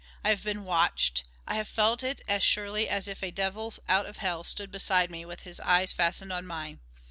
I have been watched I have felt it as surely as if a devil out of hell stood beside me with his eyes fastened on mine.